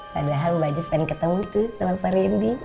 padahal mbak jis pengen ketemu tuh sama pak randy